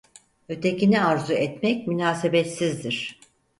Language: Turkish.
Ötekini arzu etmek münasebetsizdir.